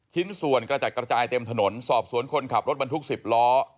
ชิ้นส่วนกระจัดกระจายเต็มถนนสอบสวนคนขับรถบรรทุก๑๐ล้อ